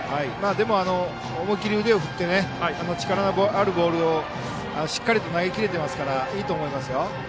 でも、思い切り腕を振って力のあるボールをしっかりと投げ切れていますからいいと思いますよ。